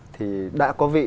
thì đã có vị